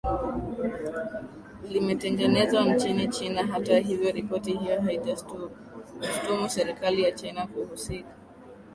limetengenezwa nchini china hata hivyo ripoti hiyo haijastumu serikali ya china kuhusika